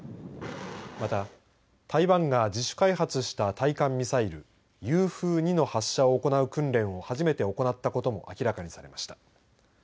また台湾が自主開発した対艦ミサイル雄風２の発射を行う訓練を初めて行ったことも明らかにされました。